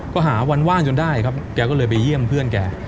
ก็หาวันว่างจนได้ครับแกก็เลยไปเยี่ยมเพื่อนแก